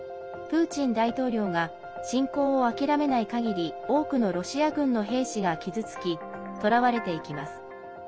プーチン大統領が侵攻を諦めないかぎり多くのロシア軍の兵士が傷つき捕らわれていきます。